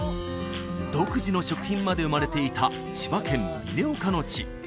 独自の食品まで生まれていた千葉県嶺岡の地